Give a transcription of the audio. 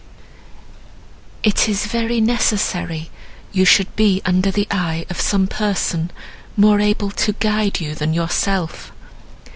"It is very necessary you should be under the eye of some person more able to guide you than yourself.